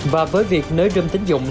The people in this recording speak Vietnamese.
và với việc nới râm tính dụng